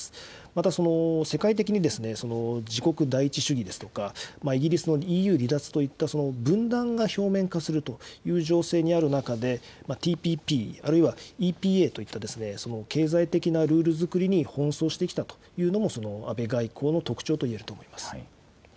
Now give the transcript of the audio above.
また、世界的に自国第一主義ですとか、イギリスのＥＵ離脱といった、分断が表面化するという情勢にある中で、ＴＰＰ、あるいはＥＰＡといった経済的なルールづくりに奔走してきたというのも、その安倍外交の特徴といえると思います。